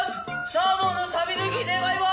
サーモンのさび抜き願います！